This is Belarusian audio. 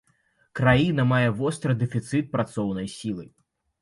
Краіна мае востры дэфіцыт працоўнай сілы.